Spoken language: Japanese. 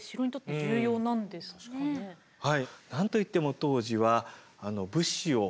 はい。